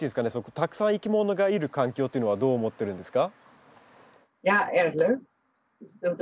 たくさんいきものがいる環境というのはどう思ってるんですか？